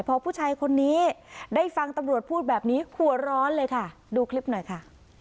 พอผู้ชายคนนี้ได้ฟังตำรวจพูดแบบนี้หัวร้อนเลยค่ะดูคลิปหน่อยค่ะ